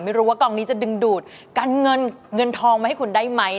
ไม่รู้ว่ากองนี้จะดึงดูดกันเงินเงินทองมาให้คุณได้ไหม